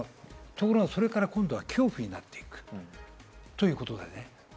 ところがそこから恐怖になっていくということだね。